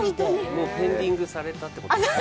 もうペンディングされたってことですか。